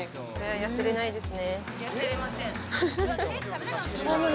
痩せれないですね。